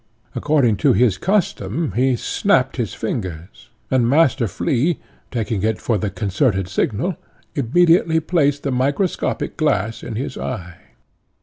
According to his custom he snapt his fingers, and Master Flea, taking it for the concerted signal, immediately placed the microscopic glass in his eye.